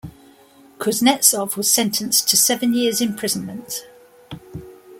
Kuznetsov was sentenced to seven years imprisonment.